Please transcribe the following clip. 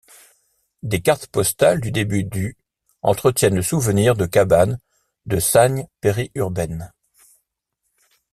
Des cartes postales du début du entretiennent le souvenir de cabanes de sagne péri-urbaines.